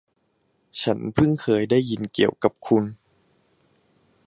ฉันพึ่งเคยได้ยินเกี่ยวกับคุณ